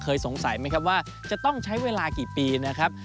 สงสัยไหมครับว่าจะต้องใช้เวลากี่ปีนะครับ